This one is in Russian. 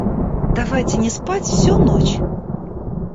Давайте не спать всю ночь!